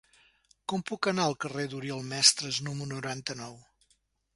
Com puc anar al carrer d'Oriol Mestres número noranta-nou?